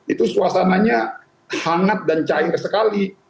itu suasananya hangat dan cair sekali